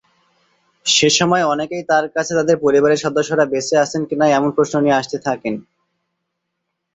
সেময় অনেকেই তার কাছে তাদের পরিবারের সদস্যরা বেঁচে আছেন কিনা এমন প্রশ্ন নিয়ে আসতে থাকেন।